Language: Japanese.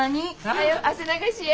はよ汗流しや。